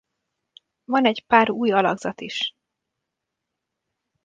Van egy pár új alakzat is.